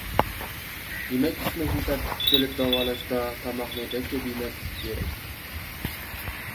يېمەك-ئىچمەكنى تەرتىپكە سېلىپ داۋالاشتا تاماقنى بەك كۆپ يېمەسلىك كېرەك.